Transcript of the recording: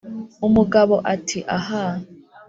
umugabo, ati "ahaaa,